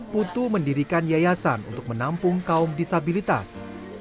putu mendirikan yayasan untuk menampung kaum disabilitas